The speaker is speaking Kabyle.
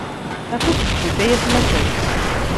Afus deg ufus ay atmaten.